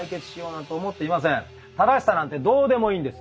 「正しさ」なんてどうでもいいんです。